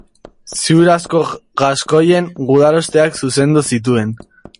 Ziur asko gaskoien gudarosteak zuzendu zituen.